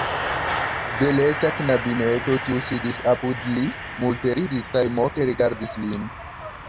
Beleta knabineto, kiu sidis apud li, multe ridis kaj moke rigardis lin.